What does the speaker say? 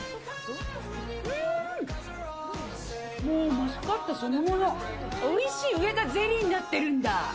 うーん、もう、マスカットそのもの、おいしい、上がゼリーになってるんだ。